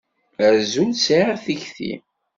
Azul, sεiɣ tikti.